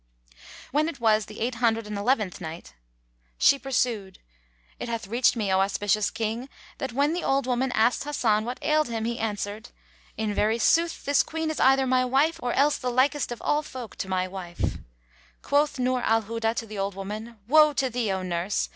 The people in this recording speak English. When it was the Eight Hundred and Eleventh Night, She pursued, It hath reached me, O auspicious King, that when the old woman asked Hasan what ailed him, he answered, "In very sooth this Queen is either my wife or else the likest of all folk to my wife." Quoth Nur al Huda to the old woman, "Woe to thee, O nurse!